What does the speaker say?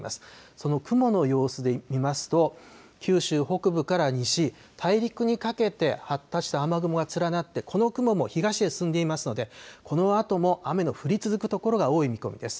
その雲の様子で見ますと九州北部から西大陸にかけて発達した雨雲が連なって、この雲も東へ進んでいますのでこのあとも雨の降り続く所が多い見込みです。